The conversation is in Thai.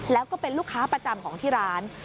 แล้วก็เป็นลูกค้าประจำของที่ร้าน